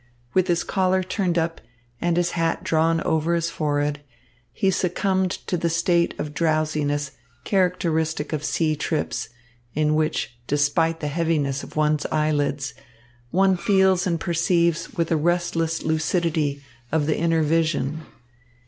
With his collar turned up and his hat drawn over his forehead, he succumbed to the state of drowsiness characteristic of sea trips, in which, despite the heaviness of one's eyelids, one feels and perceives with a restless lucidity of the inner vision.